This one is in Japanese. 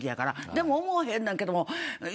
でも思えへんねんけども。